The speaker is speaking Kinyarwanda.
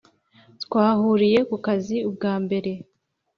Twahuriye kukazi ubwambere